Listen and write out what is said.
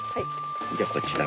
じゃあこちら。